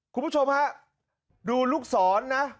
คุณผู้ชมฮะดูลูกศรนะ